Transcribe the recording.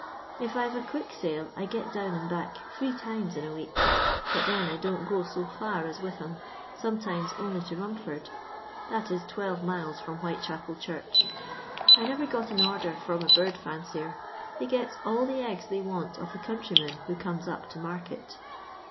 If I 've a quick sale I get down and back three times in a week, but then I don't go so far as Witham, sometimes only to Rumford ; that is 12 miles from Whitechapel Church. I never got an order from a bird fimcier; they gets all the eggs they want of the conntrymen who comes up to market.